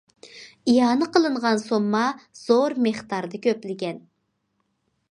ئىئانە قىلىنغان سومما زور مىقداردا كۆپلىگەن.